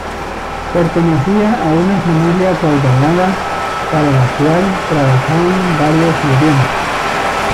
Pertenecía a una familia acaudalada, para la cual trabajaban varios sirvientes.